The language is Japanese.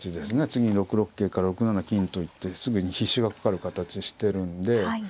次６六桂から６七金と行ってすぐに必至がかかる形してるんで。